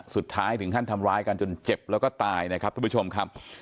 สุดท้ายถึงขั้นทำร้ายกันจนเจ็บแล้วก็ตายนะครับทุกผู้ชมครับ